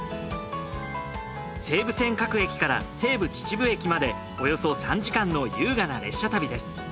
西武線各駅から西武秩父駅までおよそ３時間の優雅な列車旅です。